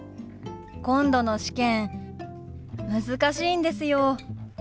今度の試験難しいんですよ。